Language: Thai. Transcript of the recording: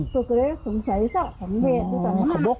ทุกปุ่นเลยแหละแกเข้ามาแล้ว